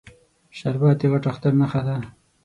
شربت د غټ اختر نښه ده